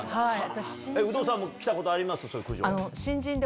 有働さんも来たことあります？